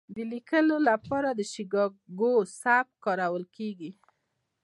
د لیکنې لپاره د شیکاګو سبک کارول کیږي.